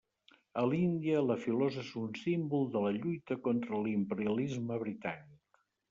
A l'Índia la filosa és un símbol de la lluita contra l'imperialisme britànic.